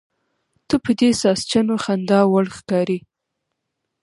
ته په دې ساسچنو خنداوړه ښکارې.